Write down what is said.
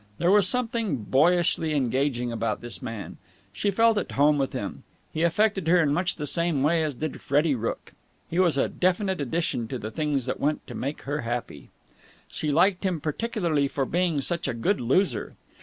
There was something boyishly engaging about this man. She felt at home with him. He affected her in much the same way as did Freddie Rooke. He was a definite addition to the things that went to make her happy. She liked him particularly for being such a good loser.